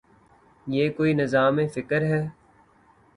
یہ کوئی نظام فکر ہے۔